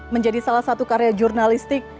menjadi salah satu karya jurnalistik